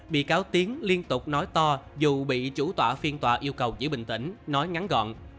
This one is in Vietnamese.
bị cáo tiến liên tục nói to dù bị chủ tọa phiên tòa yêu cầu giữ bình tĩnh nói ngắn gọn